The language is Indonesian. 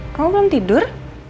kamu belum tidur